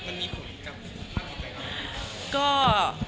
มันมีผลกับความรู้สึกไหมคะ